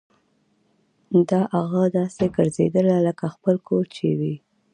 داه اغه داسې ګرځېدله لکه خپل کور چې يې وي.